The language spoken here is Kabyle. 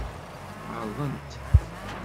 Ɛeṛḍent.